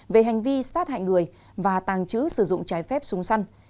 về hành vi sát hại người và tàng trữ sử dụng trái phép súng săn